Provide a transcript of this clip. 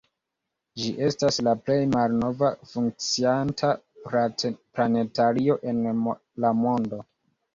Ĝi estas la plej malnova funkcianta planetario en la mondo.